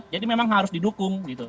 jadi memang harus didukung gitu